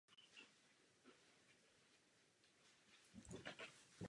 Skutečně to tak vnímáte?